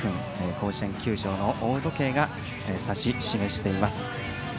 甲子園球場の大時計が指し示しています。